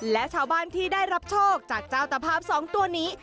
และชาวบ้านที่ได้รับโชคจากเจ้าตภาพสองตัวนี้